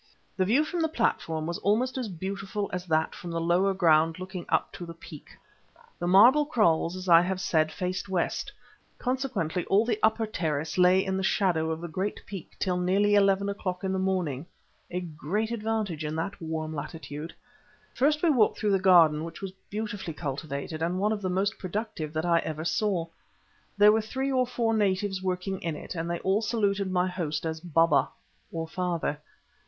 The view from the platform was almost as beautiful as that from the lower ground looking up to the peak. The marble kraals, as I have said, faced west, consequently all the upper terrace lay in the shadow of the great peak till nearly eleven o'clock in the morning—a great advantage in that warm latitude. First we walked through the garden, which was beautifully cultivated, and one of the most productive that I ever saw. There were three or four natives working in it, and they all saluted my host as "Baba," or father.